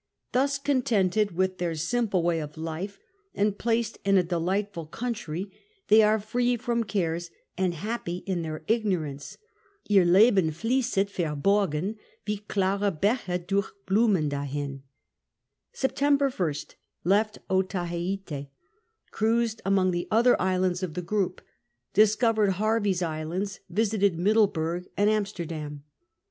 Thus contented with thciir siiiqde way of life, and j)hiced in a delightful country, they are free from cares and liap2)y in their ignorance, Ihr Lebon fiiesset verborgeii Wio klarc Biiche durch Blumeii dahiii." S&pt, 1^/. Left Otalicite. Cruised among the other islands of the group. Discovered Hervey's Islands. Visited Middleburg and Amsterdam.